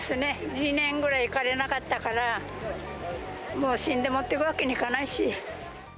２年ぐらい行かれなかったから、もう死んで持ってくわけにいかないし。